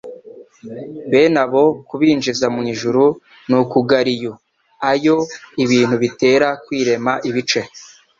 Bene abo, kubinjiza mu ijuru ni ukugariu-ayo ibintu bitera kwirema ibice,